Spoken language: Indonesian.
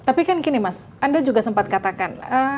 tapi kan gini mas anda juga sempat katakan